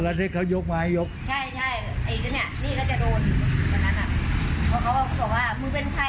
บอกให้ออกไปจะขายของเขาก็จะใส่ร้านเหมือนกัน